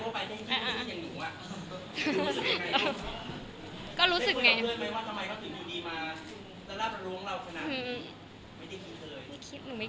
ไม่เสียใจไม่รู้สึกอะไรเลย